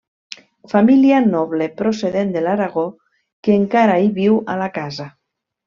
Família noble procedent de l'Aragó, que encara hi viu a la casa.